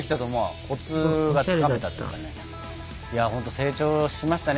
成長しましたね